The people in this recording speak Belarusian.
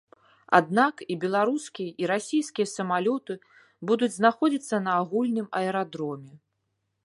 Аднак, і беларускія, і расійскія самалёты будуць знаходзіцца на агульным аэрадроме.